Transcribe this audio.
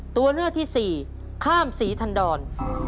ตัวเลือกที่สี่ข้ามศรีทันดร